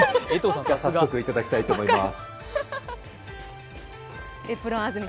早速いただきたいと思います。